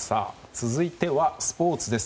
続いては、スポーツです。